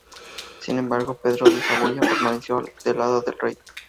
Sin embargo, Pedro de Saboya, permaneció del lado del rey.